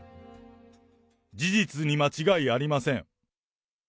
事実に間違いありません。